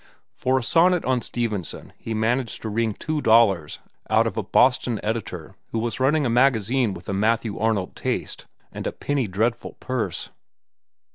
For a sonnet on Stevenson he managed to wring two dollars out of a Boston editor who was running a magazine with a Matthew Arnold taste and a penny dreadful purse.